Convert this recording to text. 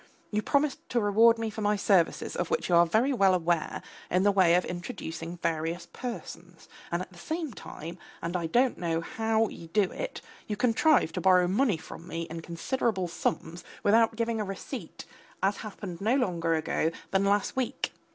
You promised to reward me for my services, of which you are very well aware, in the way of introducing various persons, and at the same time, and I don't know how you do it, you contrive to borrow money from me in considerable sums without giving a receipt, as happened no longer ago than last week.